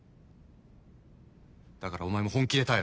だからお前も本気で耐えろ